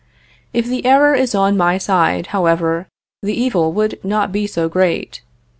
If the error is on my side, however, the evil would not be so great.